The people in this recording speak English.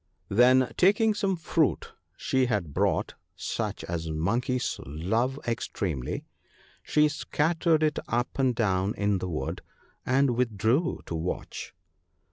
Then, taking some fruit she had brought, such as monkeys love extremely, she scat tered it up and down in the wood, and withdrew to THE PARTING OF FRIENDS. 7 1 watch.